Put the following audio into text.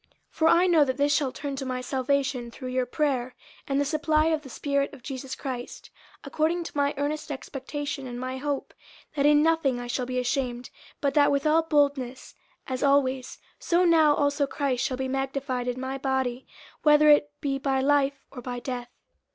50:001:019 For I know that this shall turn to my salvation through your prayer, and the supply of the Spirit of Jesus Christ, 50:001:020 According to my earnest expectation and my hope, that in nothing I shall be ashamed, but that with all boldness, as always, so now also Christ shall be magnified in my body, whether it be by life, or by death.